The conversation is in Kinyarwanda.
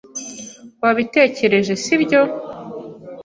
Wabitekereje, sibyo?